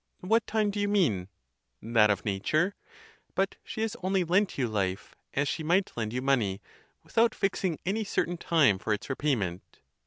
What time do you mean? That of nature? But she has only lent you life, as she might lend you money, without fixing any certain time for its repayment.